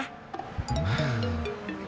hah dikirim aja